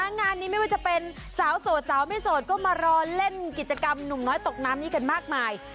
งานนี้ไม่ว่าจะเป็นสาวโสดสาวไม่โสดก็มารอเล่นกิจกรรมหนุ่มน้อยตกน้ำนี้กันมากมาย